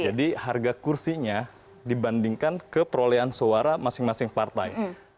jadi harga kursinya dibandingkan ke perolehan suara masing masing partai